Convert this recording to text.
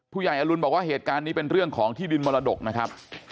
อรุณบอกว่าเหตุการณ์นี้เป็นเรื่องของที่ดินมรดกนะครับ